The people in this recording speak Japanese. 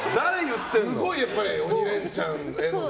すごい「鬼レンチャン」へのね。